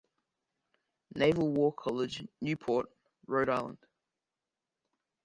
Naval War College, Newport, Rhode Island.